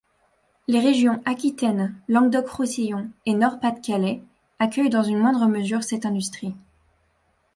Les régions Aquitaine, Languedoc-Roussillon et Nord-Pas-de-Calais accueillent dans une moindre mesure cette industrie.